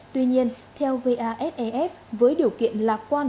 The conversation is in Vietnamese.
tuy nhiên theo vasaf với điều kiện lạc quan